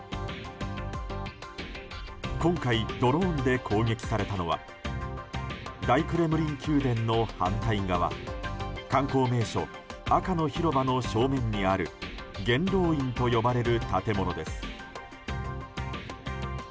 今回、ドローンで攻撃されたのは大クレムリン宮殿の反対側観光名所・赤の広場の正面にある元老院と呼ばれる建物です。